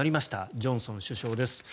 ジョンソン首相です。